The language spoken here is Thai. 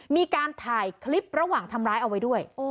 มีการถ่ายคลิประหว่างทำร้ายเอาไว้ด้วย